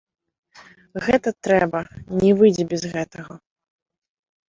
Гэта трэба, не выйдзе без гэтага.